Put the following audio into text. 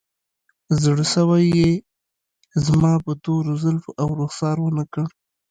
زړسوی یې زما په تورو زلفو او رخسار ونه کړ